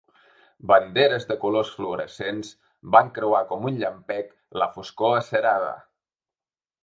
Banderes de colors fluorescents van creuar com un llampec la foscor acerada.